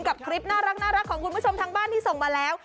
กับคลิปน่ารักของคุณผู้ชมทางบ้านที่ส่งมาแล้ว